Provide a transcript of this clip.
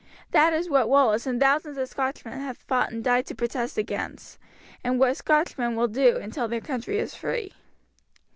That is what Wallace and thousands of Scotchmen have fought and died to protest against, and what Scotchmen will do until their country is free."